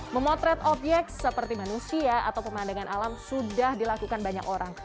memotret obyek seperti manusia atau pemandangan alam sudah dilakukan banyak orang